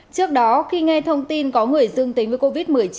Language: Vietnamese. trước đó khi nghe thông tin có người dương tính với covid một mươi chín